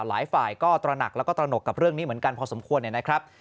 หลายฝ่ายก็ตระหนักแล้วก็ตระหนกกับเรื่องนี้เหมือนกันพอสมควรนะครับ